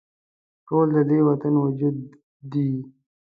ټول د دې وطن وجود دي